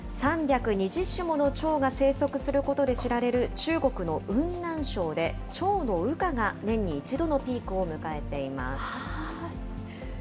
３２０種ものチョウが生息することで知られる中国の雲南省で、チョウの羽化が年に一度のピークを迎えています。